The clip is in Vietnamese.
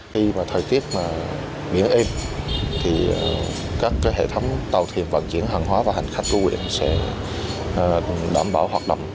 khi mà thời tiết miễn êm thì các hệ thống tàu thiền vận chuyển hàng hóa và hành khách của quyền sẽ đảm bảo hoạt động